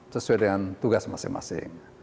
sesuai dengan tugas masing masing